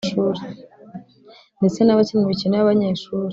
ndetse n’abakina imikino y’abanyeshuri